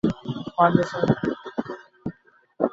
মহেন্দ্রের মনে হইল নামটি বড়ো করুণ এবং কণ্ঠটি বড়ো কোমল।